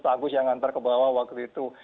pak agus yang ngantar ke bawah waktu itu